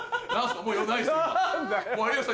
もう用ないです